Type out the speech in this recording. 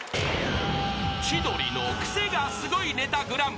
［『千鳥のクセがスゴいネタＧＰ』］